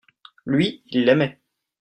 lui, il aimait.